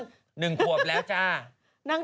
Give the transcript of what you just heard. ปล่อยให้เบลล่าว่าง